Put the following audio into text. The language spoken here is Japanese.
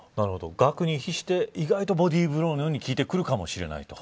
額に比して、意外とボディブローのように効いてくるかもしれない。